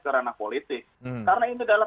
karena politik karena ini adalah